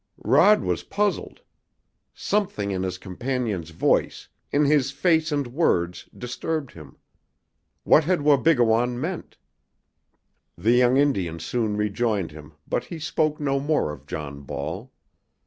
Rod was puzzled. Something in his companion's voice, in his face and words, disturbed him. What had Wabigoon meant? The young Indian soon rejoined him, but he spoke no more of John Ball.